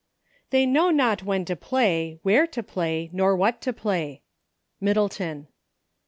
"They know not when to play, where to play, noi what to play. — Middleton.